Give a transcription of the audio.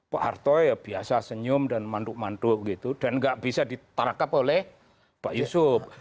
pak harto ya biasa senyum dan manduk manduk gitu dan nggak bisa ditarakap oleh pak yusuf